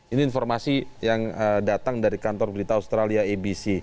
ini informasi yang datang dari kantor berita australia abc